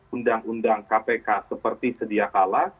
undang undang kpk seperti sedia kala